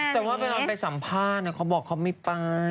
แต่ว่าเวลาไปสัมภาษณ์เขาบอกเขาไม่ไป